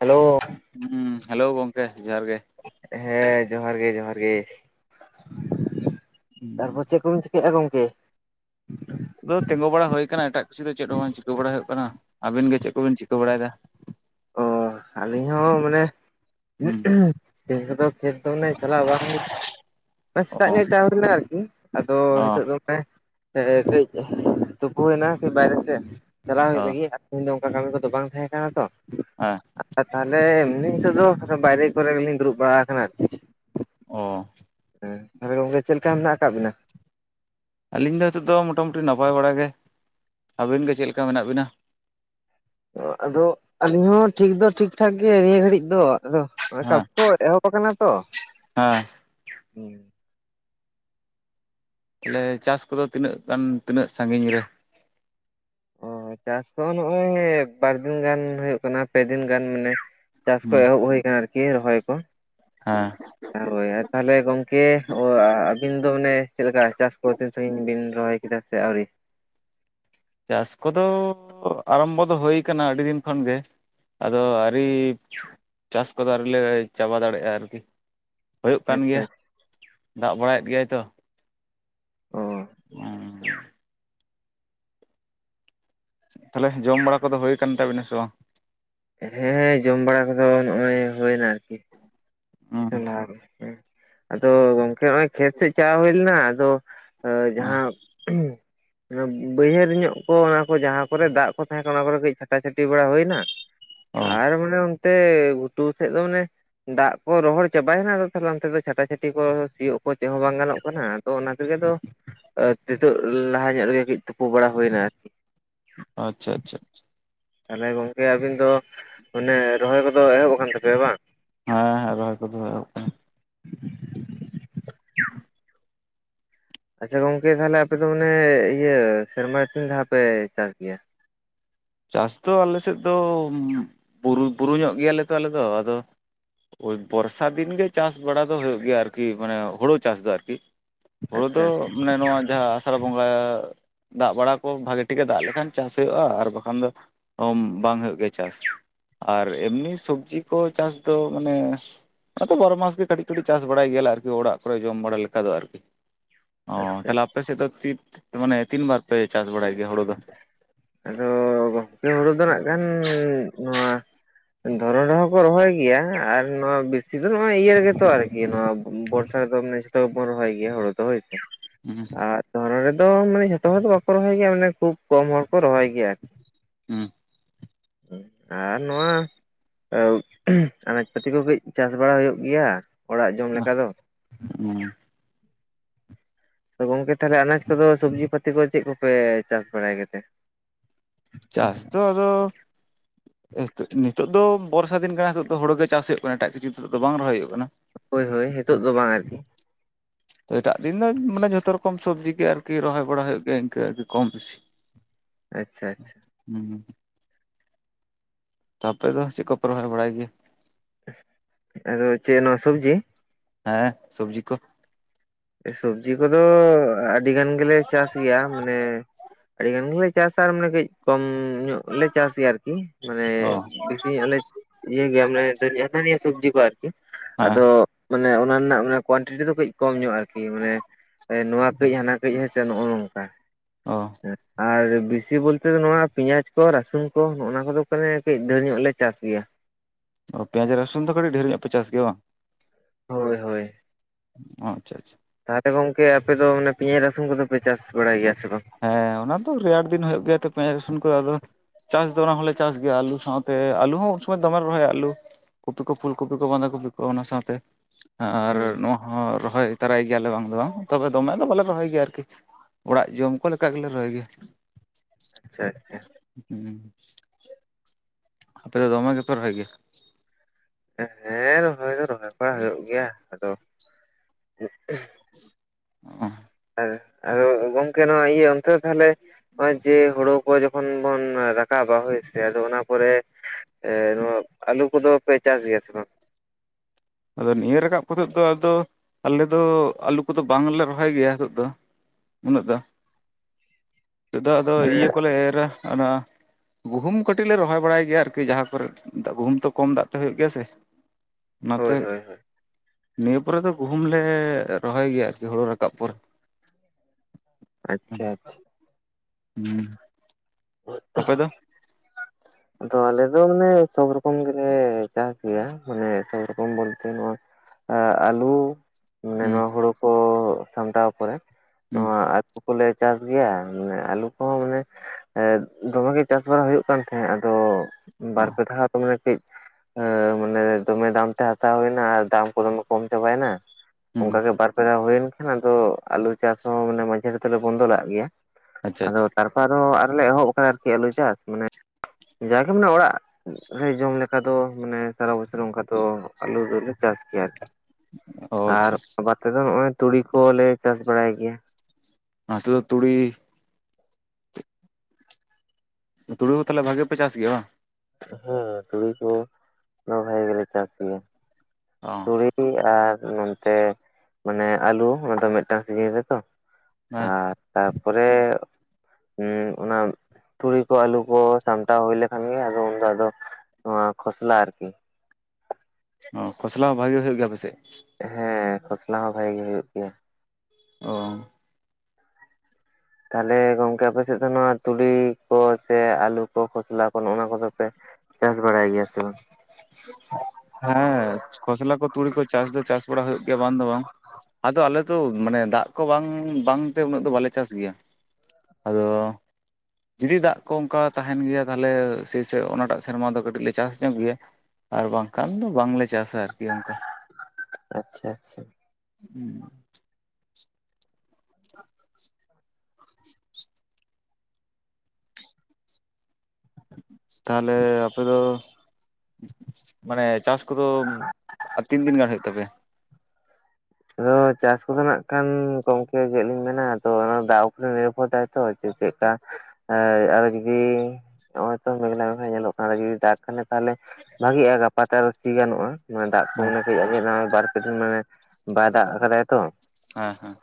Hello. ᱦᱩᱸ hello ᱜᱚᱝᱠᱮ ᱡᱚᱦᱟᱨ ᱜᱮ᱾ ᱦᱮᱸ ᱡᱚᱦᱟᱨ ᱜᱮ ᱡᱚᱦᱟᱨ ᱜᱮ᱾ ᱛᱟᱨ ᱯᱚᱨ ᱪᱮᱜ ᱠᱚᱢ ᱪᱤᱠᱟᱹᱭᱮᱜᱼᱟ᱾ ᱜᱚᱢᱠᱮ? ᱟᱫᱚ ᱛᱮᱸᱜᱳ ᱵᱟᱲᱟ ᱦᱩᱭ ᱟᱠᱟᱱᱟ᱾ ᱮᱴᱟᱜ ᱠᱩᱥᱤ ᱫᱚ ᱪᱮᱫ ᱦᱚᱸ ᱵᱟᱝ ᱪᱤᱠᱟᱹ ᱵᱟᱲᱟ ᱦᱳᱭᱳᱜ ᱠᱟᱱᱟ᱾ ᱟᱵᱤᱱ ᱜᱮ ᱪᱮᱫ ᱠᱚ ᱵᱤᱱ ᱪᱤᱠᱟᱹ ᱵᱟᱲᱟᱭ ᱫᱟ? ᱚ ᱻᱟᱹᱞᱤᱧ ᱦᱚᱸ ᱢᱟᱱᱮ ᱦᱩᱸ ᱛᱮᱦᱮᱧ ᱫᱚ ᱠᱷᱮᱛ ᱫᱚ ᱞᱮ ᱪᱟᱞᱟᱣ ᱵᱟᱝ ᱦᱳᱭ [unintelligible] ᱚ ᱥᱮᱛᱟᱜ ᱧᱚᱸᱜ ᱪᱟᱣ ᱦᱳᱭ ᱞᱮᱱᱟ᱾ ᱟᱨ ᱠᱤ ᱟᱫᱚ ᱚ ᱱᱤᱛᱚᱜ ᱫᱚ ᱠᱟᱹᱡ ᱛᱩᱯᱩ ᱦᱩᱭ ᱱᱟ, ᱠᱟᱹᱡ ᱵᱟᱭ ᱨᱮ ᱥᱮᱫ ᱪᱟᱞᱟᱣ ᱦᱳᱭᱳᱜ ᱞᱟᱹᱜᱤᱜ᱾ ᱛᱮᱦᱮᱧ ᱫᱚ ᱚᱝᱠᱟ ᱠᱟᱹᱢᱤ ᱠᱚ ᱫᱚ ᱵᱟᱝ ᱛᱟᱦᱮᱸ ᱠᱟᱱᱟ ᱛᱚ᱾ ᱟᱸᱻ ᱟᱨ ᱛᱟᱦᱞᱮ ᱮᱢᱱᱤ ᱱᱤᱛᱳᱜ ᱫᱚ ᱵᱟᱭ ᱨᱮ ᱠᱚ ᱨᱮ ᱜᱮ ᱞᱤᱧ ᱫᱩᱲᱩᱵ ᱵᱟᱲᱟ ᱠᱟᱱᱟ ᱟᱨ ᱠᱤ᱾ ᱚ ᱦᱮᱸ ᱛᱟᱦᱞᱮ ᱜᱚᱝᱠᱮ ᱪᱮᱫ ᱞᱮᱠᱟ ᱢᱮᱱᱟᱜ ᱠᱟᱜ ᱵᱤᱱᱟ? ᱟᱹᱞᱤᱧ ᱫᱚ ᱦᱤᱛᱚᱜ ᱫᱚ ᱢᱚᱴᱟ ᱢᱩᱴᱤ ᱱᱟᱯᱟᱭ ᱵᱟᱲᱟ ᱜᱮ᱾ ᱟᱵᱤᱱ ᱜᱮ ᱪᱮᱫ ᱞᱮᱠᱟ ᱢᱮᱱᱟᱜ ᱵᱤᱱᱟ? ᱟᱫᱚ ᱟᱹᱞᱤᱧ ᱦᱚᱸ ᱴᱷᱤᱠ ᱫᱚ ᱴᱷᱤᱠ ᱴᱷᱟᱠ ᱜᱮ ᱱᱤᱭᱟᱹ ᱜᱷᱟᱹᱲᱤᱡ ᱫᱚ ᱟᱫᱚ ᱦᱚᱸᱜᱼᱚᱭ ᱦᱮᱸ ᱠᱟᱹᱢᱤ ᱠᱚ ᱮᱦᱚᱵ ᱠᱟᱱᱟ ᱛᱚ ᱦᱮᱸ ᱦᱩᱸ᱾ ᱛᱟᱞᱦᱮ ᱪᱟᱥ ᱠᱚ ᱫᱚ ᱛᱤᱱᱟᱹᱜ ᱜᱟᱱ ᱛᱤᱱᱟᱹᱜ ᱥᱟᱺᱜᱤᱧ ᱨᱮ? ᱚ ᱪᱟᱥ ᱠᱚ ᱱᱚᱸᱜᱼᱚᱭ ᱵᱟᱨ ᱫᱤᱱ ᱜᱟᱱ ᱦᱳᱭᱳᱜ ᱠᱟᱱᱟ ᱯᱮ ᱫᱤᱱ ᱜᱟᱱ ᱢᱟᱱᱮ ᱪᱟᱥ ᱠᱚ ᱦᱩᱸ ᱮᱦᱚᱵ ᱦᱳᱭ ᱠᱟᱱᱟ ᱟᱨᱠᱤ ᱨᱚᱦᱚᱭ ᱠᱚ᱾ ᱦᱮᱸ᱾ ᱦᱳᱭ ᱛᱟᱦᱞᱮ ᱜᱚᱝᱠᱮ ᱚ ᱟᱹᱵᱤᱱ ᱫᱚ ᱢᱟᱱᱮ ᱪᱮᱫ ᱞᱮᱠᱟ ᱪᱟᱥ ᱠᱚ ᱛᱤᱱ ᱥᱟᱺᱜᱤᱧ ᱵᱤᱱ ᱨᱚᱦᱚᱭᱼᱼ ᱠᱮᱫᱟ ᱥᱮ ᱟᱹᱣᱨᱤ? ᱪᱟᱥ ᱠᱚᱫᱚ ᱟᱨᱟᱢᱵᱚ ᱫᱚ ᱦᱳᱭ ᱠᱟᱱᱟ ᱟᱹᱰᱤ ᱫᱤᱱ ᱠᱷᱚᱱ ᱜᱮ᱾ ᱟᱫᱚ ᱟᱹᱣᱨᱤ ᱪᱟᱥ ᱠᱚᱫᱚ ᱟᱹᱣᱨᱤ ᱟᱹᱞᱮ ᱪᱟᱵᱟ ᱫᱟᱲᱮᱜᱼᱟ ᱟᱨᱠᱤ᱾ ᱦᱳᱭᱳᱜ ᱠᱟᱱ ᱟᱪᱪᱷᱟ ᱜᱮᱭᱟ ᱟᱪᱪᱷᱟ ᱫᱟᱜ ᱵᱟᱲᱟᱭᱮᱫ ᱜᱮᱭᱟᱭ ᱛᱚ᱾ ᱚ ᱛᱟᱦᱞᱮ ᱡᱚᱢ ᱵᱟᱲᱟ ᱠᱚᱫᱚ ᱦᱳᱭ ᱟᱠᱟᱱ ᱛᱟᱵᱤᱱᱟ ᱥᱮ ᱵᱟᱝ? ᱦᱮᱸ ᱡᱚᱢ ᱵᱟᱲᱟ ᱠᱚᱫᱚ ᱱᱚᱸᱜᱼᱚᱭ ᱦᱳᱭ ᱱᱟ ᱟᱨᱠᱤ᱾ ᱦᱩᱸ [unintelligible] ᱟᱫᱚ ᱜᱚᱝᱠᱮ ᱱᱚᱸᱜᱼᱚᱭ ᱠᱷᱮᱛ ᱥᱮᱫ ᱪᱟᱣ ᱦᱳᱭ ᱞᱮᱱᱟ ᱟᱫᱚ ᱦᱚ ᱚ ᱡᱟᱸᱦᱟ ᱟᱱᱟ ᱵᱟᱹᱭᱦᱟᱹᱲ ᱧᱚᱸᱜ ᱠᱚ ᱚᱱᱟ ᱠᱚ ᱡᱟᱸᱦᱟ ᱠᱚ ᱨᱮ ᱫᱟᱜ ᱠᱚ ᱛᱟᱦᱮᱸ ᱠᱟᱱᱟ ᱚᱱᱟ ᱠᱚᱨᱮ ᱠᱟᱹᱡ ᱪᱷᱟᱴᱼᱪᱷᱟᱹᱴᱤ ᱵᱟᱲᱟ ᱦᱳᱭᱱᱟ᱾ ᱚ ᱟᱨ ᱢᱟᱱᱮ ᱚᱱᱛᱮ ᱜᱷᱩᱴᱩ ᱥᱮᱫ ᱫᱚ ᱢᱟᱱᱮ ᱫᱟᱜ ᱠᱚ ᱨᱚᱦᱚᱲ ᱪᱟᱵᱟᱭᱱᱟ ᱟᱫᱚ ᱛᱟᱦᱞᱮ ᱚᱱᱛᱮ ᱫᱚ ᱪᱷᱟᱴ-ᱪᱷᱟᱹᱴᱤ ᱠᱚ ᱥᱤᱭᱳᱜ ᱠᱚ ᱪᱮᱫ ᱦᱚᱸ ᱵᱟᱝ ᱜᱟᱱᱚᱜ ᱠᱟᱱᱟ᱾ ᱛᱚ ᱚᱱᱟ ᱛᱮᱜᱮ ᱫᱚ ᱚᱡ ᱱᱤᱛᱚᱜ ᱞᱟᱦᱟ ᱧᱚᱜ ᱨᱮᱜᱮ ᱠᱟᱹᱡ ᱛᱳᱯᱳ ᱵᱟᱲᱟ ᱦᱳᱭᱱᱟ ᱟᱨᱠᱤ᱾ ᱟᱪᱪᱷᱟ ᱟᱪᱪᱷᱟ ᱟᱪᱪᱷᱟ᱾ ᱛᱟᱦᱞᱮ ᱜᱚᱝᱠᱮ ᱟᱵᱤᱱ ᱫᱚ ᱚᱱᱮ ᱨᱚᱦᱚᱭ ᱠᱚ ᱫᱚ ᱮᱦᱚᱵ ᱟᱠᱟᱱ ᱛᱟᱯᱮᱭᱟ ᱵᱟᱝ? ᱦᱮᱸ ᱨᱚᱦᱚᱭ ᱠᱚ ᱫᱚ ᱮᱦᱚᱵ ᱠᱟᱱᱟ᱾ [inaudible] ᱟᱪᱪᱷᱟ ᱜᱚᱝᱠᱮ ᱛᱟᱦᱞᱮ ᱟᱯᱮ ᱫᱚ ᱢᱟᱱᱮ ᱤᱭᱟᱹ ᱥᱮᱨᱢᱟ ᱨᱮ ᱛᱤᱱ ᱫᱷᱟᱹᱣ ᱯᱮ ᱪᱟᱥ ᱜᱮᱭᱟ? ᱪᱟᱥ ᱫᱚ ᱟᱞᱮ ᱥᱮᱫ ᱫᱚ ᱵᱩᱨᱩ ᱵᱩᱨᱩ ᱧᱸᱚᱜ ᱜᱮᱭᱟ ᱞᱮ ᱛᱚ ᱟᱞᱮ ᱫᱚ ᱟᱫᱚ ᱳᱭ ᱵᱚᱨᱥᱟ ᱫᱤᱱ ᱜᱮ ᱪᱟᱥ ᱵᱟᱲᱟ ᱫᱚ ᱦᱳᱭᱳᱜ ᱜᱮᱭᱟ᱾ ᱟᱨ ᱠᱤ ᱢᱟᱱᱮ ᱦᱳᱲᱳ ᱪᱟᱥ ᱫᱚ ᱟᱨᱠᱤ᱾ ᱦᱳᱲᱳ ᱫᱚ ᱟᱪᱪᱷᱟ ᱟᱪᱪᱷᱟ ᱢᱟᱱᱮ ᱱᱚᱣᱟ ᱡᱟᱸᱦᱟ ᱟᱥᱟᱲ ᱵᱚᱸᱜᱟ ᱫᱟᱜ ᱵᱟᱲᱟ ᱠᱚ ᱵᱷᱟᱜᱮ ᱴᱷᱤᱠ-ᱮ ᱫᱟᱜ ᱞᱮ ᱠᱷᱟᱱ ᱪᱟᱥ ᱦᱳᱭᱳᱜᱼᱟ᱾ ᱟᱨ ᱵᱟᱠᱷ ᱠᱷᱟᱱ ᱫᱚ ᱚᱢ ᱵᱟᱝ ᱦᱳᱭᱳᱜ ᱜᱮᱭᱟ ᱪᱟᱥ᱾ ᱟᱨ ᱮᱢᱱᱤ ᱥᱚᱵᱡᱤ ᱠᱚ ᱪᱟᱥ ᱫᱚ ᱢᱟᱱᱮ ᱟᱫᱚ ᱵᱟᱨᱚ ᱢᱟᱥ ᱜᱮ ᱠᱟᱹᱴᱤᱡ ᱠᱟᱹᱴᱤᱡ ᱪᱟᱥ ᱵᱟᱲᱟᱭ ᱜᱮᱭᱟᱞᱮ ᱟᱨᱠᱤ ᱚᱲᱟᱜ ᱠᱚᱨᱮᱜ ᱡᱚᱢ ᱵᱟᱲᱟ ᱞᱮᱠᱟ ᱫᱚ ᱟᱨᱠᱤ᱾ ᱚ ᱟᱪᱪᱷᱟ ᱛᱟᱦᱞᱮ ᱟᱯᱮ ᱥᱮᱫ ᱫᱚ ᱛᱤᱛ ᱢᱟᱱᱮ ᱛᱤᱱ ᱵᱟᱨ ᱯᱮ ᱪᱟᱥ ᱵᱟᱲᱟᱭ ᱜᱮᱭᱟ ᱦᱳᱲᱳ ᱫᱚ? ᱟᱫᱚ ᱜᱚᱝᱠᱮ ᱦᱩᱲᱩ ᱫᱚ ᱱᱟᱜᱠᱷᱟᱱ ᱱᱚᱣᱟ ᱫᱷᱚᱨᱚᱱ ᱨᱮᱦᱚᱸ ᱠᱚ ᱨᱚᱦᱚᱭ ᱜᱮᱭᱟ ᱟᱨ ᱱᱚᱣᱟ ᱵᱤ ᱥᱤ ᱫᱚ ᱤᱭᱟᱹ ᱜᱮᱛᱚ ᱟᱨᱟᱠᱤ ᱱᱟᱣᱟ ᱵᱚᱨᱥᱟ ᱨᱮᱫᱚ ᱢᱟᱱᱮ ᱡᱷᱟᱛᱚ ᱜᱮᱵᱚᱱ ᱨᱚᱦᱚᱭ ᱜᱮᱭᱟ ᱦᱩᱲᱩ ᱫᱚ ᱦᱳᱭᱥᱮ᱾ ᱦᱩᱸ ᱟᱨ ᱫᱷᱚᱨᱚᱱ ᱨᱮᱫᱚ ᱢᱟᱱᱮ ᱡᱷᱚᱛᱚ ᱦᱚᱲ ᱫᱚ ᱵᱟᱠᱚ ᱨᱚᱦᱚᱭ ᱜᱮᱭᱟ ᱢᱟᱱᱮ ᱠᱷᱩᱵ ᱠᱚᱢ ᱦᱚᱲ ᱠᱚ ᱨᱚᱦᱚᱭ ᱜᱮᱭᱟ ᱟᱨᱠᱤ᱾ ᱦᱩᱸ᱾ ᱟᱨ ᱱᱚᱣᱟ ᱟᱱᱟᱡᱽᱯᱟᱹᱛᱤ ᱠᱚ ᱠᱟᱹᱡ ᱪᱟᱥ ᱵᱟᱲᱟ ᱦᱩᱭᱩᱜ ᱜᱮᱭᱟ ᱚᱲᱟᱜ ᱡᱚᱢ ᱞᱮᱠᱟ ᱫᱚ᱾ ᱦᱮᱸ᱾ ᱛᱚ ᱜᱚᱝᱠᱮ ᱛᱟᱦᱚᱞᱮ ᱟᱱᱟᱡ ᱠᱚᱫᱚ ᱥᱚᱵᱽᱡᱤ ᱯᱟᱛᱤ ᱠᱚ ᱪᱮᱫ ᱠᱚᱯᱮ ᱪᱟᱥ ᱵᱟᱲᱟᱭ ᱜᱮᱛᱮ? ᱪᱟᱥ ᱫᱚ ᱟᱫᱚ ᱦᱤᱛᱚᱜ ᱱᱤᱛᱟᱜ ᱫᱚ ᱵᱚᱨᱥᱟ ᱫᱤᱱ ᱠᱟᱱᱟ ᱱᱤᱛᱚᱜ ᱫᱚ ᱦᱳᱲᱩ ᱜᱮ ᱪᱟᱥ ᱦᱩᱭᱩᱜ ᱠᱟᱱᱟ ᱮᱴᱟᱜ ᱠᱤᱪᱷᱩ ᱱᱤᱛᱳᱜ ᱫᱚ ᱵᱟᱝ ᱨᱚᱦᱚᱭ ᱦᱩᱭᱩᱜ ᱠᱟᱱᱟ᱾ ᱦᱳᱭ ᱦᱳᱭ ᱱᱤᱛᱳ ᱫᱚ ᱵᱟᱝ ᱟᱨᱠᱤ᱾ ᱛᱚ ᱮᱴᱟᱜ ᱫᱤᱱ ᱫᱚ ᱢᱟᱱᱮ ᱡᱷᱚᱛᱚ ᱨᱚᱠᱚᱢ ᱥᱚᱵᱽᱡᱤ ᱜᱮ ᱟᱨᱠᱤ ᱨᱚᱦᱚᱭ ᱵᱟᱲᱟ ᱦᱩᱭᱩᱜ ᱜᱮᱭᱟ ᱤᱱᱠᱟᱹ ᱟᱹᱰᱤ ᱠᱚᱢ ᱵᱮᱥᱤ᱾ ᱟᱪᱪᱷᱟ ᱟᱪᱪᱷᱟ᱾ ᱦᱩᱸ᱾ ᱛᱚ ᱟᱯᱮ ᱫᱚ ᱪᱮᱫ ᱠᱚᱯᱮ ᱨᱚᱦᱚᱭ ᱵᱟᱲᱟᱭ ᱜᱮᱭᱟ? ᱟᱫᱚ ᱪᱮᱫ ᱱᱚᱣᱟ ᱥᱚᱵᱽᱡᱤ? ᱦᱮᱸ ᱥᱚᱵᱽᱡᱤ ᱠᱚ᱾ ᱥᱚᱵᱽᱡᱤ ᱠᱚᱫᱚ ᱟᱹᱰᱤ ᱜᱟᱱ ᱜᱮᱞᱮ ᱪᱟᱥ ᱜᱮᱭᱟ ᱢᱟᱱᱮ ᱟᱹᱰᱤ ᱜᱟᱱ ᱜᱮᱞᱮ ᱪᱟᱥᱟ ᱟᱨ ᱢᱟᱱᱮ ᱠᱟᱹᱡ ᱠᱚᱢ ᱧᱚᱜ ᱜᱮᱞᱮ ᱪᱟᱥ ᱜᱮᱭᱟ ᱟᱨᱠᱤ ᱢᱟᱱᱮ ᱚ ᱵᱮᱥᱤ ᱧᱚᱜᱞᱮ ᱤᱭᱟᱹ ᱜᱮᱭᱟ ᱢᱟᱱᱮ ᱡᱟᱹᱱᱤᱡ ᱦᱟᱱᱟ ᱱᱤᱭᱟᱹ ᱥᱚᱵᱽᱡᱤ ᱠᱚ ᱟᱨᱠᱤ ᱦᱮᱸ ᱟᱫᱚ ᱢᱟᱱᱮ ᱚᱱᱟ ᱨᱮᱱᱟᱜ ᱢᱟᱱᱮ ᱠᱳᱣᱟᱱᱴᱤᱴᱤ ᱫᱚ ᱠᱟᱹᱡ ᱠᱚᱢ ᱧᱚᱜᱼᱟ ᱟᱨᱠᱤ ᱢᱟᱱᱮ ᱱᱚᱣᱟ ᱠᱟᱹᱡ ᱦᱟᱱ ᱦᱟᱱᱟ ᱠᱟᱹᱡ ᱦᱮᱸᱥᱮ ᱱᱚᱜᱼᱚ ᱱᱚᱝᱠᱟ᱾ ᱚ ᱟᱨ ᱵᱤᱥᱤ ᱵᱳᱞᱛᱮ ᱫᱚ ᱱᱚᱣᱟ ᱯᱤᱸᱭᱟᱡ ᱠᱚ ᱨᱟᱹᱥᱩᱱ ᱠᱚ ᱱᱚᱜ ᱚᱱᱟ ᱠᱚᱫᱚ ᱢᱟᱱᱮ ᱠᱟᱹᱡ ᱫᱷᱟᱹᱨ ᱧᱚᱜ ᱞᱮ ᱪᱟᱥ ᱜᱮᱭᱟ᱾ ᱚ ᱯᱮᱸᱭᱟᱡ ᱨᱟᱹᱥᱩᱱ ᱫᱚ ᱠᱟᱹᱴᱤᱡ ᱰᱷᱮᱨ ᱧᱚᱜ ᱯᱮ ᱪᱟᱥ ᱜᱮᱭᱟ ᱵᱟᱝ? ᱦᱳᱭ ᱦᱳᱭ᱾ ᱟᱪᱪᱷᱟ ᱟᱪᱪᱷᱟ᱾ ᱛᱟᱦᱚᱞᱮ ᱜᱚᱝᱠᱮ ᱟᱯᱮ ᱫᱚ ᱢᱟᱱᱮ ᱯᱮᱸᱭᱟᱡ ᱨᱟᱹᱥᱩᱱ ᱠᱚᱫᱚᱯᱮ ᱪᱟᱥ ᱵᱟᱲᱟᱭ ᱜᱮᱭᱟ ᱥᱮ ᱵᱟᱝ? ᱦᱮᱸ ᱚᱱᱟ ᱫᱚ ᱨᱮᱭᱟᱲ ᱫᱤᱱ ᱦᱩᱭᱩᱜ ᱜᱮᱭᱟ ᱛᱚ ᱯᱮᱸᱭᱟᱡ ᱨᱟᱹᱥᱩᱱ ᱠᱚᱫᱚ ᱟᱫᱚ ᱪᱟᱥ ᱫᱚ ᱚᱱᱟ ᱦᱚᱸᱞᱮ ᱪᱟᱥ ᱜᱮᱭᱟ ᱟᱞᱩ ᱥᱟᱶᱛᱮ ᱟᱞᱩ ᱦᱚᱸ ᱩᱱ ᱥᱚᱢᱚᱭ ᱫᱚᱢᱮᱨ ᱨᱚᱦᱚᱭᱚᱜᱼᱟ ᱟᱞᱩ ᱠᱩᱯᱤ ᱠᱚ ᱯᱷᱩᱞ ᱠᱩᱯᱤ ᱠᱚ ᱵᱟᱸᱫᱷᱟ ᱠᱚᱯᱤ ᱠᱚ ᱚᱱᱟ ᱥᱟᱶᱛᱮ ᱟᱨ ᱦᱩᱸ ᱱᱚᱣᱟ ᱦᱚᱸ ᱨᱚᱦᱚᱭ ᱛᱟᱨᱟᱭ ᱜᱮᱭᱟᱞᱮ ᱵᱟᱝ ᱫᱚ ᱵᱟᱝ ᱛᱚᱵᱮ ᱫᱚᱢᱮ ᱫᱚ ᱵᱟᱞᱮ ᱨᱚᱦᱚᱭ ᱜᱮᱭᱟ ᱟᱨᱠᱤ ᱚᱲᱟᱜ ᱡᱚᱢ ᱠᱚ ᱞᱮᱠᱟ ᱜᱮᱞᱮ ᱨᱚᱦᱚᱭ ᱜᱮᱭᱟ᱾ ᱟᱪᱪᱷᱟ ᱟᱪᱪᱷᱟ᱾ ᱩᱸᱦᱩᱸ ᱟᱯᱮᱫᱚ ᱫᱚᱢᱮ ᱜᱮᱯᱮ ᱨᱚᱦᱚᱭ ᱜᱮᱭᱟ? ᱮᱸ ᱦᱮᱸ ᱨᱚᱦᱚᱭ ᱫᱚ ᱨᱚᱦᱚᱭ ᱠᱚᱲᱟ ᱦᱩᱭᱩᱜ ᱜᱮᱭᱟ ᱟᱫᱚ ᱚᱸᱦ ᱟᱫᱚ ᱜᱚᱝᱠᱮ ᱱᱚᱣᱟ ᱤᱭᱟᱹ ᱚᱱᱛᱮ ᱫᱚ ᱛᱷᱟᱞᱮ ᱚᱭ ᱡᱮ ᱦᱩᱲᱩ ᱠᱚ ᱡᱚᱠᱷᱚᱱ ᱵᱚᱱ ᱨᱟᱠᱟᱵᱟ ᱦᱳᱭ ᱥᱮ ᱟᱫᱚ ᱚᱱᱟ ᱯᱚᱨᱮ ᱮ ᱱᱚᱣᱟ ᱟᱞᱩ ᱠᱚᱫᱚ ᱯᱮ ᱪᱟᱥ ᱜᱮᱭᱟ ᱥᱮ ᱵᱟᱝ? ᱟᱫᱚ ᱱᱤᱭᱟᱹ ᱨᱟᱠᱟᱵ ᱠᱟᱛᱮᱫ ᱫᱚ ᱟᱫᱚ ᱟᱞᱮ ᱫᱚ ᱟᱞᱩ ᱠᱚᱫᱚ ᱵᱟᱝᱞᱮ ᱨᱚᱦᱚᱭ ᱜᱮᱭᱟ ᱦᱤᱛᱚᱜ ᱫᱚ᱾ ᱩᱱᱟᱹᱜ ᱫᱚ, ᱱᱤᱛᱚᱜ ᱫᱚ ᱟᱫᱚ ᱤᱭᱟᱹ ᱠᱚᱞᱮ ᱮᱨᱟ ᱟᱱᱟ ᱜᱩᱦᱩᱢ ᱠᱟᱹᱴᱤᱡ ᱞᱮ ᱨᱚᱦᱚᱭ ᱵᱟᱲᱟᱭ ᱜᱮᱭᱟ ᱟᱨᱠᱤ ᱡᱟᱦᱟᱸ ᱠᱚᱨᱮ ᱜᱩᱦᱩᱢ ᱛᱚ ᱠᱚᱢ ᱫᱟᱜ ᱛᱮ ᱦᱩᱭᱩᱜ ᱜᱮᱭᱟ ᱥᱮ᱾ ᱦᱳᱭ ᱛᱮᱜ, ᱦᱳᱭ ᱦᱳᱭ ᱱᱤᱭᱟᱹ ᱯᱚᱨᱮ ᱫᱚ ᱜᱩᱦᱩᱢ ᱞᱮ ᱨᱚᱦᱚᱭ ᱜᱮᱭᱟ ᱟᱨᱠᱤ ᱦᱳᱲᱳ ᱨᱟᱠᱟᱵ ᱯᱚᱨ᱾ ᱟᱪᱪᱷᱟ ᱟᱪᱪᱷᱟ ᱦᱩᱸ ᱟᱯᱮ ᱫᱚ [unintelligible] ᱟᱫᱚ ᱟᱞᱮ ᱫᱚ ᱢᱟᱱᱮ ᱥᱚᱵ ᱨᱚᱠᱚᱢ ᱜᱮᱞᱮ ᱪᱟᱥ ᱜᱮᱭᱟ ᱢᱟᱱᱮ ᱥᱚᱵ ᱨᱚᱠᱚᱢ ᱵᱳᱞᱛᱮ ᱱᱚᱣᱟ ᱟᱸᱜ ᱟᱞᱩ ᱢᱟᱱᱮ ᱦᱩᱸ ᱱᱚᱣᱟ ᱦᱳᱲᱳ ᱠᱚ ᱥᱟᱢᱴᱟᱣ ᱯᱚᱨᱮ ᱦᱩᱸ ᱟᱡ ᱯᱚᱠᱚᱞᱮ ᱪᱟᱥ ᱜᱮᱭᱟ ᱢᱟᱱᱮ ᱟᱞᱩ ᱠᱚᱦᱚᱸ ᱢᱟᱱᱮ ᱮᱸᱫ ᱫᱚᱢᱮ ᱜᱮ ᱪᱟᱥ ᱵᱟᱲᱟ ᱦᱩᱭᱩᱜ ᱠᱟᱱ ᱛᱮᱦᱮᱸᱜ ᱟᱫᱚ ᱚ ᱵᱟᱨᱯᱮ ᱫᱷᱟᱣ ᱛᱚ ᱢᱟᱱᱮ ᱠᱟᱹᱡ ᱦᱮᱸ ᱢᱟᱱᱮ ᱫᱚᱢᱮ ᱫᱟᱢ ᱛᱮ ᱦᱟᱛᱟᱣ ᱦᱳᱭᱱᱟ ᱟᱨ ᱫᱟᱢ ᱠᱚ ᱫᱚᱢᱮ ᱠᱚᱢ ᱪᱟᱵᱟᱭᱱᱟ᱾ ᱦᱩᱸ ᱚᱝᱠᱟᱜᱮ ᱵᱟᱨᱯᱮ ᱫᱷᱟᱣ ᱦᱳᱭᱮᱱ ᱠᱷᱟᱱ ᱟᱫᱚ ᱟᱞᱩ ᱪᱟᱥ ᱦᱚᱸ ᱢᱟᱱᱮ ᱢᱟᱡᱷᱮ ᱨᱮᱫᱚᱞᱮ ᱵᱚᱱᱫᱚᱞᱟᱜ ᱜᱮᱭᱟ᱾ ᱟᱪᱪᱷᱟ ᱟᱫᱚ ᱟᱪᱪᱷᱟ ᱛᱟᱨᱯᱟ ᱟᱨᱚ ᱟᱨᱚᱞᱮ ᱮᱦᱚᱵ ᱟᱠᱟᱫᱟ ᱟᱨᱠᱤ ᱟᱹᱞᱩ ᱪᱟᱥ ᱢᱟᱱᱮ ᱡᱟᱜᱤ ᱢᱟᱱᱮ ᱚᱲᱟᱜ ᱨᱮ ᱡᱚᱢ ᱞᱮᱠ ᱠᱟᱫᱚ ᱢᱟᱱᱮ ᱥᱟᱨᱟ ᱵᱚᱪᱷᱚᱨ ᱚᱝᱠᱟ ᱫᱚ ᱟᱞᱩ ᱫᱚᱞᱮ ᱪᱟᱥ ᱜᱮᱭᱟ ᱟᱨᱠᱤ᱾ ᱚ ᱟᱨ ᱟᱪᱪᱷᱟ ᱟᱪᱪᱷᱟ ᱟᱵᱟᱛ ᱛᱮᱫᱚ ᱱᱚᱜᱼᱚᱭ ᱛᱩᱲᱤ ᱠᱚᱞᱮ ᱪᱟᱥ ᱵᱟᱲᱟᱭ ᱜᱮᱭᱟ᱾ ᱱᱚᱛᱮ ᱫᱚ ᱛᱩᱲᱤ ᱛᱩᱲᱩ ᱦᱚᱸ ᱛᱟᱦᱚᱞᱮ ᱵᱷᱟᱜᱮ ᱯᱮ ᱪᱟᱥ ᱜᱮᱭᱟ ᱵᱟᱝ? ᱦᱮᱸ ᱛᱩᱲᱤ ᱠᱚ ᱫᱚᱢᱮ ᱵᱷᱟᱜᱮ ᱜᱮᱞᱮ ᱪᱟᱥ ᱜᱮᱭᱟ᱾ ᱚ ᱛᱩᱲᱤ ᱟᱨ ᱱᱚᱱᱛᱮ ᱢᱟᱱᱮ ᱟᱞᱩ ᱚᱱᱟ ᱫᱚ ᱢᱤᱫᱴᱟᱝ ᱥᱤᱡᱤᱱ ᱨᱮᱛᱚ ᱦᱮᱸ ᱟᱨ ᱛᱟᱨᱯᱚᱨᱮ ᱩᱸᱜ ᱚᱱᱟ ᱛᱩᱲᱤ ᱠᱚ ᱟᱹᱞᱩ ᱠᱚ ᱥᱟᱢᱴᱟᱣ ᱦᱩᱭ ᱞᱮᱠᱷᱟᱱ ᱜᱮ ᱟᱫᱚ ᱩᱱᱫᱚ ᱟᱫᱚ ᱱᱚᱣᱟ ᱠᱷᱚᱥᱞᱟ ᱟᱨᱠᱤ ᱚᱸ ᱠᱷᱚᱥᱞᱟ ᱦᱚᱸ ᱵᱷᱟᱜᱮ ᱦᱳᱭᱳᱜ ᱜᱮᱭᱟ ᱟᱯᱮ ᱥᱮᱡ? ᱦᱮᱸ ᱠᱷᱚᱥᱞᱟ ᱦᱚᱸ ᱵᱷᱟᱜᱮ ᱜᱮ ᱦᱳᱭᱳᱜ ᱜᱮᱭᱟ ᱾ ᱚ ᱛᱟᱦᱞᱮ ᱜᱚᱝᱠᱮ ᱟᱯᱮ ᱥᱮᱡ ᱫᱚ ᱱᱚᱣᱟ ᱛᱩᱲᱤ ᱠᱚ ᱥᱮ ᱟᱹᱞᱩ ᱠᱚ ᱠᱷᱚᱥᱞᱟ ᱠᱚ ᱱᱚᱜᱼᱚ ᱱᱟ ᱠᱚᱫᱚ ᱯᱮ ᱪᱟᱥ ᱵᱟᱲᱟᱭ ᱜᱮᱭᱟ ᱥᱮ ᱵᱟᱝ? ᱦᱮᱸ ᱠᱷᱚᱥᱞᱟ ᱠᱚ ᱛᱩᱲᱤ ᱠᱚ ᱪᱟᱥ ᱫᱚ ᱪᱟᱥ ᱵᱟᱲᱟ ᱦᱳᱭᱳᱜ ᱜᱮᱭᱟ ᱵᱟᱝ ᱫᱚ ᱵᱟᱝ ᱾ ᱟᱫᱚ ᱟᱞᱮ ᱛᱚ ᱢᱟᱱᱮ ᱫᱟᱜ ᱠᱚ ᱵᱟᱝ ᱵᱟᱝ ᱛᱮ ᱩᱱᱟᱹᱜ ᱫᱚ ᱵᱟᱞᱮ ᱪᱟᱥ ᱜᱮᱭᱟ ᱾ ᱟᱫᱚ ᱡᱩᱫᱤ ᱫᱟᱜ ᱠᱚ ᱚᱝᱠᱟ ᱛᱟᱦᱮᱱ ᱜᱮᱭᱟ ᱛᱟᱦᱞᱮ ᱥᱮᱭ ᱥᱮ ᱚᱱᱟᱴᱟᱜ ᱥᱮᱨᱢᱟ ᱫᱚ ᱠᱟᱹᱴᱤᱡ ᱞᱮ ᱪᱟᱥ ᱧᱚᱜ ᱜᱮᱭᱟ ᱾ ᱟᱨ ᱵᱟᱝᱠᱷᱟᱱ ᱫᱚ ᱵᱟᱝ ᱞᱮ ᱪᱟᱥᱟ ᱟᱨᱠᱤ ᱚᱝᱠᱟ ᱾ ᱟᱪᱪᱷᱟ ᱟᱪᱪᱷᱟ! ᱦᱩᱸ! [inaudible] ᱛᱟᱦᱞᱮ ᱟᱯᱮ ᱫᱚ ᱢᱟᱱᱮ ᱪᱟᱥ ᱠᱚᱫᱚ ᱟ ᱛᱤᱱ ᱫᱤᱱ ᱜᱟᱱ ᱦᱩᱭᱩᱜ ᱛᱟᱯᱮᱭᱟ? ᱟᱫᱚ ᱪᱟᱥ ᱠᱚᱫᱚ ᱱᱟᱜ ᱠᱷᱟᱱ ᱜᱚᱝᱠᱮ ᱪᱮᱜ ᱞᱤᱧ ᱢᱮᱱᱟ ᱛᱚ ᱚᱱᱟ ᱫᱟᱜ ᱩᱯᱨᱮ ᱱᱤᱨᱵᱷᱚᱨ ᱫᱟᱭ ᱛᱚ ᱪᱮ-ᱪᱮᱜᱠᱟ ᱮᱸᱜ ᱟᱨᱚ ᱡᱩᱫᱤ ᱱᱚᱜᱼᱚᱭ ᱛᱚ ᱢᱮᱜᱞᱟ ᱢᱮᱜᱞᱟ ᱧᱮᱞᱚᱜ ᱠᱟᱱᱟ ᱚᱱᱟ ᱡᱩᱫᱤ ᱫᱟᱜ ᱠᱷᱟᱱᱮ ᱛᱟᱦᱞᱮ ᱵᱷᱟᱜᱮᱜᱼᱟ ᱜᱟᱯᱟ ᱛᱮ ᱟᱨᱚ ᱥᱤ ᱜᱟᱱᱚᱜᱼᱟ ᱾ ᱢᱟᱱᱮ ᱫᱟᱜ ᱠᱚ ᱦᱮᱸ ᱢᱟᱱᱮ ᱠᱟᱹᱡ ᱟᱸᱡᱮᱫ ᱱᱟ ᱵᱟᱨ ᱯᱮ ᱫᱤᱱ ᱢᱟᱱᱮ ᱵᱟᱭ ᱫᱟᱜ ᱟᱠᱟᱫᱟᱭ ᱛᱚ ᱾ ᱦᱮᱸ ᱦᱮᱸ!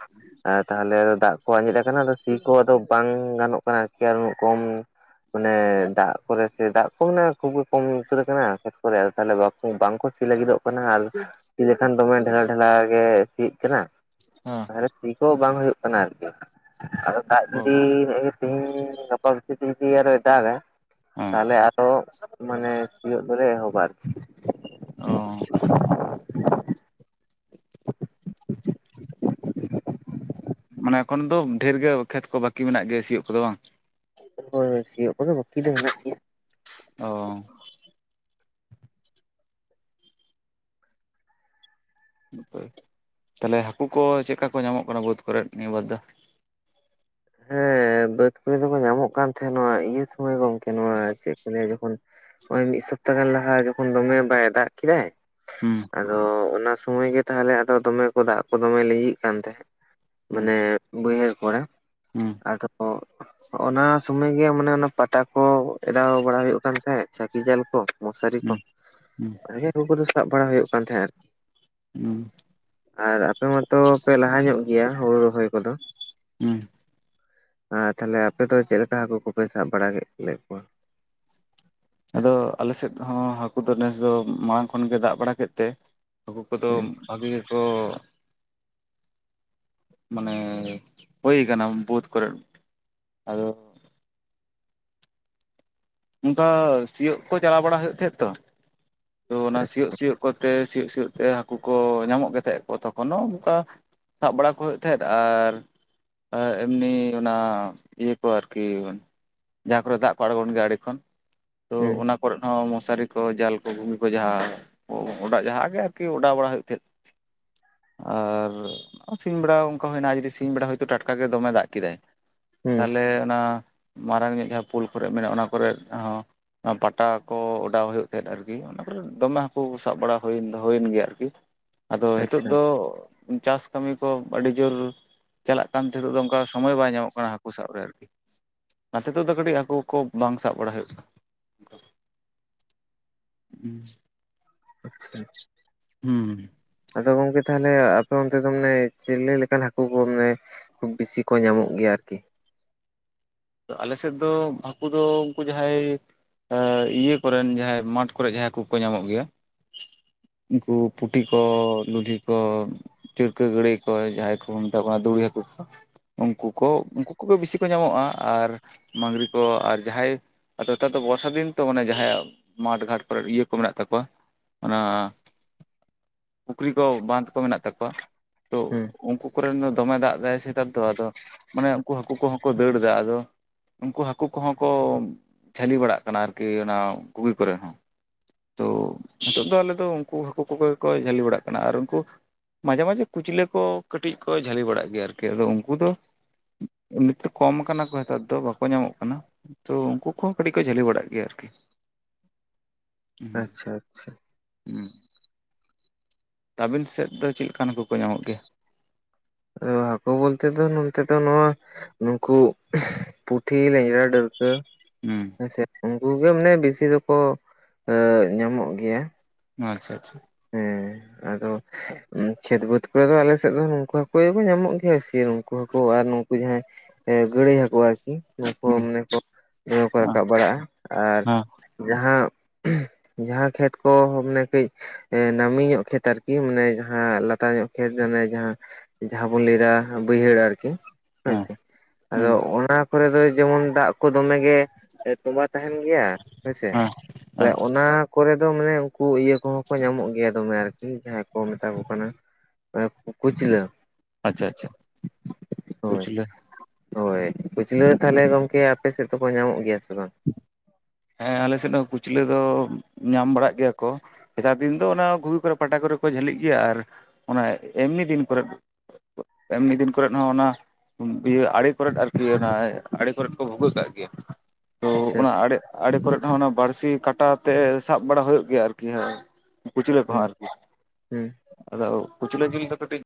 ᱟᱨ ᱛᱟᱦᱞᱮ ᱟᱫᱚ ᱫᱟᱜ ᱠᱚ ᱟᱸᱡᱮᱫ ᱟᱠᱟᱱᱟ ᱟᱫᱚ ᱥᱤ ᱠᱚ ᱟᱫᱚ ᱵᱟᱝ ᱜᱟᱱᱚᱜ ᱠᱟᱱᱟ ᱟᱨᱠᱤ ᱩᱸᱱᱟᱹᱜ ᱠᱚᱢ ᱢᱟᱱᱮ ᱫᱟᱜ ᱠᱚᱨᱮ ᱥᱮ ᱫᱟᱜ ᱠᱚ ᱢᱟᱱᱮ ᱠᱷᱩᱵ ᱜᱮ ᱠᱚᱢ ᱩᱛᱟᱹᱨ ᱟᱠᱟᱱᱟ ᱠᱷᱮᱛ ᱠᱚᱨᱮ ᱟᱫᱚ ᱛᱟᱦᱞᱮ ᱵᱟᱠ ᱠᱚ ᱵᱟᱝ ᱠᱚ ᱥᱤ ᱞᱟᱹᱜᱤᱫᱚᱜ ᱠᱟᱱᱟ ᱟᱨ ᱥᱤ ᱞᱮᱠᱷᱟᱱ ᱫᱚᱢᱮ ᱰᱷᱮᱞᱟ ᱰᱷᱮᱞᱟ ᱜᱮ ᱥᱤᱜ ᱠᱟᱱᱟ ᱾ ᱦᱮᱸ! ᱛᱟᱦᱞᱮ ᱥᱤ ᱠᱚᱦᱚᱸ ᱵᱟᱝ ᱦᱳᱭᱳᱜ ᱠᱟᱱᱟ ᱟᱨᱠᱤ, ᱟᱫᱚ ᱫᱟᱜ ᱚ ᱡᱩᱫᱤᱻ ᱦᱮᱸᱜᱼᱮ ᱜᱮ ᱛᱮᱦᱤᱧᱻ ᱜᱟᱯᱟ ᱵᱷᱤᱛᱤᱨ ᱛᱮ ᱡᱩᱫᱤ ᱟᱨᱚᱭ ᱫᱟᱜᱟ ᱛᱟᱦᱞᱮ ᱟᱨ ᱚ ᱢᱟᱱᱮ ᱥᱤᱭᱳᱜ ᱫᱚᱞᱮ ᱮᱦᱚᱵᱟ ᱟᱨ ᱚ, [unintelligible] [unintelligible] [unintelligible] ᱢᱟᱱᱮ ᱮᱠᱷᱚᱱ ᱫᱚ ᱰᱷᱮᱨ ᱜᱮ ᱠᱷᱮᱛ ᱠᱚ ᱵᱟᱹᱠᱤ ᱢᱮᱱᱟᱜ ᱜᱮᱭᱟ ᱥᱤᱭᱳᱜ ᱠᱚᱫᱚ ᱵᱟᱝ? ᱦᱳᱭ ᱦᱳᱭ ᱥᱤᱭᱳᱜ ᱠᱚᱫᱚ ᱵᱟᱠᱤ ᱫᱚ ᱢᱮᱱᱟᱜ ᱜᱮᱭᱟ᱾ ᱚ, ᱛᱟᱦᱞᱮ ᱦᱟᱹᱠᱩ ᱠᱚ ᱪᱮᱜᱠᱟ ᱠᱚ ᱧᱟᱢᱚᱜ ᱠᱟᱱᱟ ᱵᱟᱹᱫᱽ ᱠᱚᱨᱮᱫ ᱱᱤᱭᱟᱹ ᱵᱟᱨ ᱫᱚ? ᱦᱮᱸ ᱵᱟᱹᱫ ᱠᱩᱨᱮ ᱫᱚᱠᱚ ᱧᱟᱢᱚᱜ ᱠᱟᱱ ᱛᱟᱦᱮᱸ ᱱᱚᱣᱟ ᱤᱭᱟᱹ ᱥᱚᱢᱚᱭ ᱜᱚᱝᱠᱮ ᱱᱚᱣᱟ ᱪᱮᱜ ᱠᱚ ᱞᱟᱹᱭᱟ ᱡᱚᱠᱷᱚᱱ ᱳᱭ ᱢᱤᱜ ᱥᱚᱯᱛᱟᱦ ᱜᱟᱱ ᱞᱟᱦᱟ ᱡᱚᱠᱷᱚᱱ ᱫᱚᱢᱮ ᱵᱟᱭ ᱫᱟᱜ ᱠᱮᱫᱟᱭ, ᱦᱩᱸ ᱟᱫᱚ ᱚᱱᱟ ᱥᱩᱢᱚᱭ ᱜᱮ ᱛᱟᱦᱞᱮ ᱟᱫᱚ ᱫᱚᱢᱮ ᱠᱚ ᱫᱟᱜ ᱠᱚ ᱫᱚᱢᱮ ᱞᱤᱸᱡᱤᱜ ᱠᱟᱱ ᱛᱟᱦᱮᱸᱜ ᱦᱩᱸ ᱢᱟᱱᱮ ᱵᱟᱹᱭᱦᱟᱹᱲ ᱠᱚᱲᱮ ᱦᱩᱸ, ᱟᱫᱚ ᱯᱚᱸ ᱚᱱᱟ ᱥᱩᱢᱟᱹᱭ ᱜᱮ ᱢᱟᱱᱮ ᱚᱱᱟ ᱯᱟᱴᱟ ᱠᱚ ᱮᱰᱟᱣ ᱵᱟᱲᱟ ᱦᱩᱭᱩᱜ ᱠᱟᱱ ᱛᱟᱦᱮᱸᱫ ᱪᱟᱹᱠᱤ ᱡᱟᱞ ᱠᱚ, ᱢᱚᱥᱟᱨᱤ ᱠᱚ ᱦᱩᱸ ᱦᱩᱸ ᱦᱮᱸ ᱦᱟᱹᱠᱩ ᱠᱚᱫᱚ ᱥᱟᱵ ᱵᱟᱲᱟ ᱦᱩᱭᱩᱜ ᱠᱟᱱ ᱛᱟᱦᱮᱸᱱᱟ ᱟᱨᱠᱤ᱾ ᱦᱩᱸ᱾ ᱟᱨ ᱟᱯᱮ ᱢᱟᱛᱚ ᱯᱮ ᱞᱟᱦᱟ ᱧᱚᱜ ᱜᱮᱭᱟ ᱦᱩᱲᱩ ᱨᱚᱦᱚᱭ ᱠᱚᱫᱚ, ᱦᱩᱸ᱾ ᱮᱸ ᱛᱟᱦᱚᱞᱮ ᱟᱯᱮ ᱫᱚ ᱪᱮᱫ ᱞᱮᱠᱟ ᱦᱟᱹᱠᱩ ᱠᱚᱯᱮ ᱥᱟᱵ ᱵᱟᱲᱟ ᱠᱮᱫ ᱞᱮᱫ ᱠᱚᱣᱟ? ᱟᱫᱚ ᱟᱞᱮ ᱥᱮᱫ ᱦᱚᱸ ᱦᱟᱹᱠᱩ ᱫᱚ ᱱᱮᱥ ᱫᱚ ᱢᱟᱲᱟᱝ ᱠᱷᱚᱱ ᱜᱮ ᱫᱟᱜ ᱵᱟᱲᱟ ᱠᱮᱫ ᱛᱮ ᱦᱟᱹᱠᱩ ᱠᱚᱫᱚ ᱦᱩᱸ ᱵᱷᱟᱜᱮ ᱜᱮᱠᱚ ᱢᱟᱱᱮ ᱦᱩᱭ ᱠᱟᱱᱟ ᱵᱟᱹᱫ ᱠᱚᱨᱮ ᱟᱫᱚ ᱚᱱᱠᱟ ᱥᱤᱭᱳᱜ ᱠᱚ ᱪᱟᱞᱟᱣ ᱵᱟᱲᱟ ᱦᱩᱭᱩᱜ ᱛᱟᱦᱮᱸᱜ ᱛᱚ, ᱛᱚ ᱚᱱᱟ ᱥᱤᱭᱳᱜ ᱥᱤᱭᱳᱜ ᱠᱚᱛᱮ ᱥᱤᱭᱳᱜ ᱥᱤᱭᱳᱜ ᱛᱮ ᱦᱟᱹᱠᱩ ᱠᱚ ᱧᱟᱢᱚᱜ ᱜᱮ ᱛᱟᱦᱮᱸᱫ ᱠᱚ ᱛᱚᱠᱷᱚᱱᱳ ᱚᱱᱠᱟ ᱥᱟᱵ ᱵᱟᱲᱟ ᱠᱚ ᱦᱩᱭᱩᱜ ᱛᱟᱦᱮᱸᱫ ᱟᱨ ᱮᱢᱱᱤ ᱚᱱᱟ ᱤᱭᱟᱹ ᱠᱚ ᱟᱨᱠᱤ ᱡᱟᱦᱟᱸ ᱠᱚᱨᱮ ᱫᱟᱜ ᱠᱚ ᱟᱬᱜᱚᱱ ᱜᱮᱭᱟ ᱟᱲᱮ ᱠᱷᱚᱱ, ᱛᱚ ᱦᱩᱸ ᱚᱱᱟ ᱠᱚᱨᱮ ᱦᱚᱸ ᱢᱚᱥᱟᱨᱤ ᱠᱚ ᱡᱟᱞ ᱠᱚ ᱜᱩᱱᱤ ᱠᱚ ᱡᱟᱦᱟᱸ ᱚ ᱚᱰᱟᱜ ᱡᱟᱦᱟᱸ ᱜᱮ ᱟᱨᱠᱤ ᱚᱰᱟᱣ ᱵᱟᱲᱟ ᱦᱩᱭᱩᱜ ᱛᱟᱦᱮᱸᱫ ᱟᱨ ᱥᱤᱧ ᱵᱮᱲᱟ ᱚᱱᱠᱟ ᱦᱩᱭᱱᱟ ᱡᱩᱫᱤ ᱥᱤᱧ ᱵᱮᱲᱟ ᱦᱚᱳᱭᱛᱳ ᱴᱟᱴᱠᱟᱜᱮ ᱫᱚᱢᱮ ᱫᱟᱜ ᱠᱮᱫᱟᱭ, ᱦᱩᱸ ᱛᱟᱦᱞᱮ ᱚᱱᱟ ᱢᱟᱨᱟᱝᱚᱧᱚᱜ ᱡᱟᱦᱟᱸ ᱯᱳᱞ ᱠᱚᱨᱮᱜ ᱢᱮᱱᱟᱜᱼᱟ ᱚᱱᱟ ᱠᱚᱨᱮᱜ ᱦᱚᱸ ᱯᱟᱴᱟ ᱠᱚ ᱚᱰᱟᱣ ᱦᱩᱭᱩᱜ ᱛᱟᱦᱮᱸᱫ ᱟᱨᱠᱤ ᱚᱱᱟ ᱠᱚᱨᱮ ᱫᱚᱢᱮ ᱦᱟᱹᱠᱩ ᱥᱟᱵ ᱵᱟᱲᱟ ᱦᱩᱭᱮᱱ ᱦᱩᱭᱮᱱ ᱜᱮᱭᱟ ᱟᱨᱠᱤ, ᱟᱫᱚ ᱦᱤᱛᱚᱜ ᱟᱪᱪᱷᱟ ᱫᱚ ᱪᱟᱥ ᱠᱟᱹᱢᱤ ᱠᱚ ᱟᱹᱰᱤ ᱡᱳᱨ ᱪᱟᱞᱟᱜ ᱠᱟᱱ ᱛᱷᱤᱨᱚᱜ ᱫᱚ ᱚᱱᱠᱟ ᱥᱚᱢᱚᱭ ᱵᱟᱭ ᱧᱟᱢᱚᱜ ᱠᱟᱱᱟ ᱦᱟᱹᱠᱩ ᱥᱟᱵ ᱨᱮ ᱟᱨᱠᱤ ᱚᱱᱟᱛᱮ ᱦᱤᱛᱚᱜ ᱫᱚ ᱠᱟᱹᱴᱤᱡ ᱦᱟᱹᱠᱩ ᱠᱚ ᱵᱟᱝ ᱥᱟᱵ ᱵᱟᱲᱟ ᱦᱩᱭᱩᱜ ᱠᱟᱱᱟ ᱚᱱᱠᱟ ᱫᱚ ᱦᱩᱸ᱾ ᱟᱪᱪᱷᱟ ᱦᱩᱸ, ᱟᱫᱚ ᱜᱚᱝᱠᱮ ᱛᱟᱦᱚᱞᱮ ᱟᱯᱮ ᱚᱱᱛᱮ ᱢᱟᱱᱮ ᱪᱤᱞᱤ ᱞᱮᱠᱟᱱ ᱦᱟᱹᱠᱩ ᱠᱚ ᱢᱟᱱᱮ ᱵᱤᱥᱤ ᱠᱚ ᱧᱟᱢᱚᱜ ᱜᱮᱭᱟ ᱟᱨᱠᱤ? ᱟᱞᱮ ᱥᱮᱫ ᱫᱚ ᱦᱟᱹᱠᱩ ᱫᱚ ᱩᱱᱠᱩ ᱡᱟᱦᱟᱸᱭ ᱮᱸ ᱤᱭᱟᱹ ᱠᱚᱨᱮᱱ ᱡᱟᱦᱟᱸᱭ ᱢᱟᱴᱷ ᱠᱚᱨᱮ ᱡᱟᱦᱟᱸ ᱠᱚ ᱠᱚ ᱧᱟᱢᱚᱜ ᱜᱮᱭᱟ, ᱩᱱᱠᱩ ᱯᱩᱴᱤ ᱠᱚ ᱞᱩᱞᱦᱤ ᱠᱚ, ᱪᱟᱹᱲᱠᱟᱹ ᱜᱟᱹᱲᱟᱹᱭ ᱠᱚ ᱡᱟᱦᱟᱸᱭ ᱠᱚᱵᱚᱱ ᱢᱮᱛᱟ ᱠᱚ ᱠᱟᱱᱟ ᱫᱩᱸᱲᱤ ᱦᱟᱹᱠᱩ ᱠᱚ ᱩᱱᱠᱩ ᱠᱚ ᱩᱱᱠᱩ ᱠᱚᱜᱮ ᱵᱮᱥᱤ ᱠᱚ ᱧᱟᱢᱚᱜᱼᱟ ᱟᱨ ᱢᱟᱝᱜᱽᱨᱤ ᱠᱚ ᱟᱨ ᱡᱟᱦᱟᱸᱭ ᱟᱫᱚ ᱱᱮᱛᱟᱨ ᱫᱚ ᱵᱚᱨᱥᱟ ᱫᱤᱱ ᱛᱚ ᱢᱟᱱᱮ ᱡᱟᱦᱟᱸᱭᱟᱜ ᱢᱟᱴᱷ ᱜᱷᱟᱴ ᱠᱚᱨᱮ ᱤᱭᱟᱹ ᱠᱚ ᱢᱮᱱᱟᱜ ᱛᱟᱠᱚᱣᱟ ᱚᱱᱟ ᱯᱩᱠᱷᱨᱤ ᱠᱚ ᱵᱟᱸᱫᱷ ᱠᱚ ᱢᱮᱱᱟᱜ ᱛᱟᱠᱣᱟ᱾ ᱛᱚ ᱦᱩᱸ ᱩᱱᱠᱩ ᱠᱚᱨᱮᱱ ᱫᱚ ᱫᱚᱢᱮ ᱫᱟᱜ ᱮᱫᱟ ᱥᱮᱛᱟᱨ ᱫᱚ ᱟᱫᱚ ᱢᱟᱱᱮ ᱩᱱᱠᱩ ᱦᱟᱹᱠᱩ ᱠᱚᱦᱚᱸ ᱠᱚ ᱫᱟᱹᱲ ᱮᱫᱟ ᱟᱫᱚ᱾ ᱟᱫᱚ ᱩᱱᱠᱩ ᱦᱟᱹᱠᱩ ᱠᱚ ᱦᱚᱸ ᱠᱚ ᱡᱷᱟᱹᱞᱤ ᱵᱟᱲᱟᱜ ᱠᱟᱱᱟ ᱟᱨᱠᱤ ᱚᱱᱟ ᱠᱩᱜᱤ ᱠᱚᱨᱮ ᱦᱚᱸ ᱾ ᱛᱚ ᱱᱤᱛᱚᱜ ᱫᱚ ᱟᱞᱮ ᱫᱚ ᱩᱱᱠᱩ ᱦᱟᱹᱠᱩ ᱠᱚ ᱜᱮᱠᱚ ᱡᱷᱟᱹᱞᱤ ᱵᱟᱲᱟᱜ ᱠᱟᱱᱟ ᱟᱨ ᱩᱱᱠᱩ ᱢᱟᱡᱷᱮ ᱢᱟᱡᱷᱮ ᱠᱩᱪᱞᱟᱹ ᱠᱚ ᱠᱟᱹᱴᱤᱡ ᱠᱚ ᱡᱷᱟᱹᱞᱤ ᱵᱟᱲᱟᱜ ᱜᱮᱭᱟ ᱟᱨᱠᱤ ᱟᱫᱚ ᱩᱱᱠᱩ ᱫᱚ ᱮᱢᱱᱤᱛᱮ ᱠᱚᱢ ᱠᱟᱱᱟ ᱾ ᱦᱮᱛᱟᱨ ᱫᱚ ᱵᱟᱠᱚ ᱧᱟᱢᱚᱜ ᱠᱟᱱᱟ, ᱛᱚ ᱩᱱᱠᱩ ᱠᱚᱦᱚᱸ ᱠᱟᱹᱴᱤᱡ ᱠᱚ ᱡᱷᱟᱹᱞᱤ ᱵᱟᱲᱟᱜ ᱜᱮᱭᱟ ᱟᱨᱠᱤ᱾ [unintelligible] ᱟᱪᱪᱷᱟ ᱟᱪᱪᱷᱟ᱾ ᱦᱩᱸ᱾ ᱛᱟᱹᱵᱤᱞ ᱥᱮᱫ ᱫᱚ ᱪᱮᱫ ᱞᱮᱠᱟᱱ ᱦᱟᱹᱠᱩ ᱠᱚ ᱧᱟᱢᱚᱜ ᱜᱮᱭᱟ? ᱦᱟᱹᱠᱩ ᱵᱚᱞ ᱛᱮ ᱫᱚ ᱱᱳᱱᱛᱮ ᱫᱚ ᱱᱚᱣᱟ ᱱᱩᱠᱩ ᱯᱩᱴᱷᱤ, ᱞᱮᱸᱡᱲᱟ, ᱰᱟᱹᱲᱠᱟᱹ ᱾ ᱦᱩᱸ ᱾ ᱦᱮᱸ ᱥᱮ ᱩᱱᱠᱩ ᱜᱮ ᱢᱟᱱᱮ ᱵᱤᱥᱤ ᱫᱚᱠᱚ ᱮᱸ ᱧᱟᱢᱚᱜ ᱜᱮᱭᱟ ᱾ ᱟᱪᱪᱷᱟ ᱟᱪᱪᱷᱟ᱾ ᱦᱮᱸ ᱟᱫᱚ᱾ ᱠᱷᱮᱛ ᱵᱟᱹᱫᱽ ᱠᱚᱨᱮ ᱫᱚ ᱟᱞᱮᱥᱮᱫ ᱫᱚ ᱱᱩᱠᱩ ᱦᱟᱠᱩ ᱧᱟᱢᱚᱜ ᱜᱮᱭᱟ ᱥᱮ ᱱᱩᱠᱩ ᱦᱟᱠᱩ ᱟᱨ ᱱᱩᱠᱩ ᱡᱟᱦᱟᱸᱭ ᱜᱳᱬᱟᱹᱭ ᱦᱟᱹᱠᱩ ᱟᱨᱠᱤ ᱱᱩᱠᱩ ᱢᱟᱱᱮ ᱠᱚ ᱫᱚᱢᱮ ᱠᱚ ᱦᱮᱸ ᱨᱟᱠᱟᱵ ᱵᱟᱲᱟᱜ-ᱟ, ᱟᱨ ᱡᱟᱦᱟᱸ ᱡᱟᱦᱟᱸ ᱠᱷᱮᱛ ᱠᱚ ᱢᱟᱱᱮ ᱠᱟᱹᱡ᱾ ᱱᱟᱹᱢᱤ ᱧᱚᱜ ᱠᱷᱮᱛ ᱟᱨᱠᱤ ᱢᱟᱱᱮ ᱡᱟᱦᱟᱸ ᱞᱟᱛᱟᱨ ᱧᱚᱜ ᱠᱷᱮᱛ ᱢᱟᱱᱮ ᱡᱟᱦᱟᱸ ᱡᱟᱦᱟᱸ ᱵᱚᱱ ᱞᱟᱹᱭ ᱫᱟ ᱵᱟᱹᱭᱦᱟᱹᱲ ᱟᱨᱠᱤ, ᱦᱳᱭ ᱦᱮᱸ ᱥᱮ ᱦᱮᱸ ᱟᱫᱚ ᱚᱱᱟ ᱠᱚᱨᱮ ᱫᱚ ᱡᱮᱢᱚᱱ ᱫᱟᱜ ᱠᱚ ᱫᱚ ᱢᱮ ᱜᱮ ᱛᱚᱸᱵᱟ ᱛᱟᱦᱮᱱ ᱜᱮᱭᱟ ᱦᱮᱸᱥᱮ, ᱦᱮᱸ ᱦᱮᱸ ᱚᱱᱟ ᱠᱚᱨᱮ ᱫᱚ ᱢᱟᱱᱮ ᱩᱱᱠᱩ ᱤᱭᱟᱹ ᱠᱚ ᱦᱚᱸ ᱠᱚ ᱧᱟᱢᱚᱜ ᱜᱮᱭᱟ ᱫᱚᱢᱮ ᱟᱨᱠᱤ ᱡᱟᱦᱟᱸᱭ ᱠᱚ ᱢᱮᱛᱟ ᱠᱚ ᱠᱟᱱᱟ ᱠᱩᱪᱞᱟᱹ, ᱟᱪᱪᱷᱟ ᱟᱪᱪᱷᱟ ᱠᱩᱪ ᱦᱳᱭ ᱞᱟᱹ, ᱦᱳᱭ ᱠᱷᱩᱪᱞᱟᱹ ᱛᱟᱦᱚᱞᱮ ᱜᱚᱝᱠᱮ ᱟᱯᱮ ᱥᱮᱫ ᱫᱚ ᱠᱚ ᱧᱟᱢᱚᱜ ᱜᱮᱭᱟ ᱥᱮ ᱵᱟᱝ? ᱦᱮᱸ ᱟᱞᱮ ᱥᱮᱫ ᱦᱚᱸ ᱠᱩᱪᱞᱟᱹ ᱫᱚ ᱧᱟᱢ ᱵᱟᱲᱟᱜ ᱜᱮᱭᱟ ᱠᱚ᱾ ᱮᱛᱟᱨ ᱫᱤᱱ ᱫᱚ ᱚᱱᱟ ᱜᱩᱜᱷᱤ ᱠᱚᱨᱮᱜ ᱯᱟᱴᱟ ᱠᱚᱨᱮ ᱠᱚ ᱡᱷᱟᱹᱞᱤᱜ ᱜᱮᱭᱟ ᱟᱨ ᱚᱱᱟ ᱮᱢᱱᱤ ᱫᱤᱱ ᱠᱚᱨᱮᱫ ᱮᱢᱱᱤ ᱫᱤᱱ ᱠᱚᱨᱮᱫ ᱦᱚᱸ ᱚᱱᱟ ᱤᱭᱟᱹ ᱟᱲᱮ ᱠᱚᱨᱮᱫ ᱟᱨᱠᱤ ᱚᱱᱟ ᱟᱲᱮ ᱠᱚᱨᱮᱫ ᱠᱚ ᱵᱷᱩᱜᱟᱹᱜ ᱠᱟᱜ ᱜᱮᱭᱟ᱾ ᱛᱚ ᱟᱪᱪᱷᱟ ᱚᱱᱟ ᱟᱪᱪᱷᱟ ᱟᱲᱮ ᱟᱲᱮ ᱠᱚᱨᱮᱫ ᱦᱚᱸ ᱵᱟᱹᱲᱥᱤ ᱠᱟᱴᱟ ᱛᱮ ᱥᱟᱵ ᱵᱟᱲᱟ ᱦᱩᱭᱩᱜ ᱜᱮᱭᱟ ᱟᱨᱠᱤ, ᱠᱩᱪᱞᱟᱹ ᱠᱚᱦᱚᱸ ᱦᱩᱸ ᱟᱨᱠᱤ ᱦᱩᱸ ᱟᱫᱚ ᱠᱩᱪᱞᱟᱹ ᱡᱤᱞ ᱫᱚ ᱠᱟᱹᱴᱤᱡ